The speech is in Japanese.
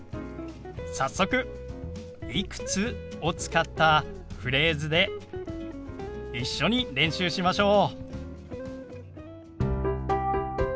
早速「いくつ？」を使ったフレーズで一緒に練習しましょう。